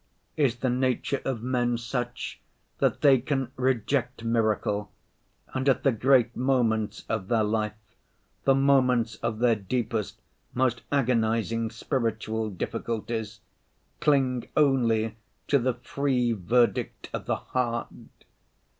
Is the nature of men such, that they can reject miracle, and at the great moments of their life, the moments of their deepest, most agonizing spiritual difficulties, cling only to the free verdict of the heart?